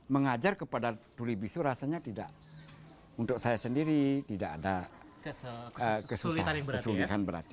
mengajar kepada tuli bisu rasanya tidak untuk saya sendiri tidak ada kesulitan berarti